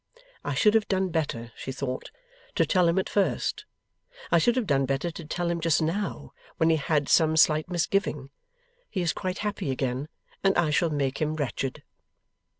'I should have done better,' she thought, 'to tell him at first; I should have done better to tell him just now, when he had some slight misgiving; he is quite happy again, and I shall make him wretched.